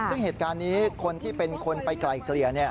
ซึ่งเหตุการณ์นี้คนที่เป็นคนไปไกลเกลี่ย